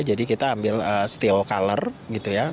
jadi kita ambil steel color gitu ya